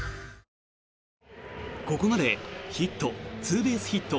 ここまでヒット、ツーベースヒット